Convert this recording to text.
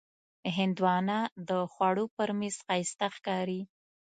هندوانه د خوړو پر میز ښایسته ښکاري.